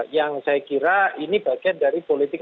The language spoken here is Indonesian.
yang saya kira ini bagian dari politik